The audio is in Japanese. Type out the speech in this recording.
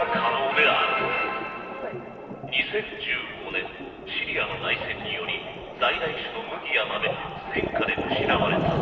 ２０１５年シリアの内戦により在来種の麦や豆が戦火で失われた。